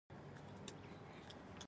د ضایع شوي وخت په خاطر پښېماني.